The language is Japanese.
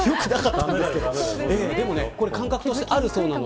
でも、感覚としてはあるそうです。